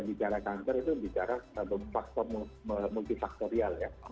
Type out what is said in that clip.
bicara kanker itu bicara faktor multifaktorial ya